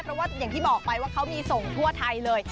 เพราะว่าอย่างที่บอกไปว่าเขามีส่งทั่วไทยเลย